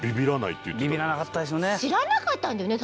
知らなかったんだよね